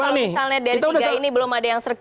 kalau misalnya dari tiga ini belum ada yang service